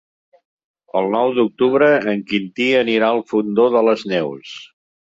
El nou d'octubre en Quintí anirà al Fondó de les Neus.